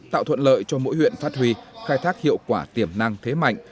tạo thuận lợi cho mỗi huyện phát huy khai thác hiệu quả tiềm năng thế mạnh